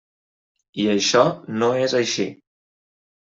I això no és així.